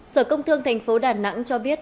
sở công thương tp đà nẵng cho biết